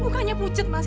bukanya pucet mas